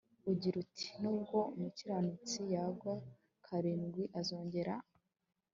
ugira uti nubwo umukiranutsi yagwa karindwi azongera